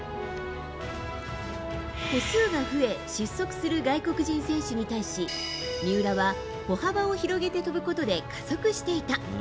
歩数が増え失速する外国人選手に対し三浦は歩幅を広げて跳ぶことで加速していた。